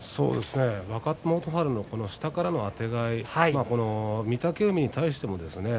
若元春の下からのあてがい御嶽海に対してもですね。